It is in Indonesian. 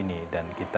dan kita akan berkata